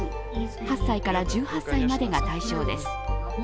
８歳から１８歳までが対象です。